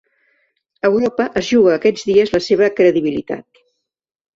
Europa es juga aquests dies la seva credibilitat.